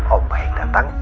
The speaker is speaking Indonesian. om baik datang